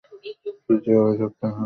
কী যে অভিযোগ তাহা ভাষায় ব্যক্ত করা কঠিন।